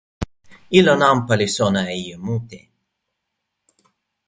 ilo nanpa li sona e ijo mute.